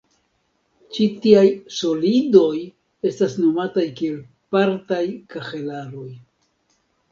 Ĉi tiaj "solidoj" estas nomataj kiel partaj kahelaroj.